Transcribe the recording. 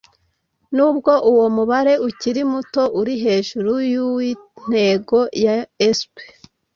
n’ubwo uwo mubare ukiri muto uri hejuru y’uw’intego ya essp